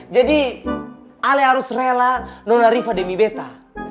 jadi om harus rela dengan riva demi betta